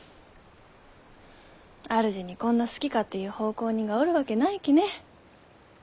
主にこんな好き勝手言う奉公人がおるわけないきね。